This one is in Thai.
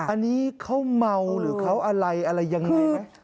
อันนี้เขาเมาหรือเขาอะไรอะไรยังไงไหม